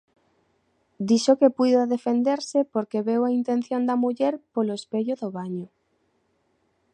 Dixo que puido defenderse porque veu a intención da muller polo espello do baño.